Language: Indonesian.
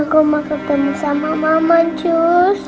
aku mau ketemu sama mama jos